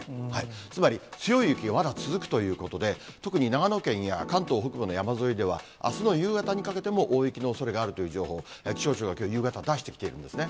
つまり、強い雪がまだ続くということで、特に、長野県や関東北部の山沿いでは、あすの夕方にかけても大雪のおそれがあるという情報、気象庁がきょう夕方、出してきてるんですね。